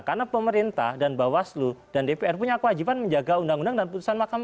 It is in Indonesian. karena pemerintah dan bawaslu dan dpr punya kewajiban menjaga undang undang dan putusan makam